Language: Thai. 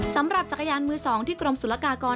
สำหรับจักรยานมือ๒ที่กรมศุลกากร